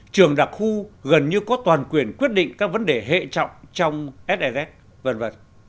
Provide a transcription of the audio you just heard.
trường đặc khu gần như có toàn quyền quyết định các vấn đề hệ trọng trong sez v v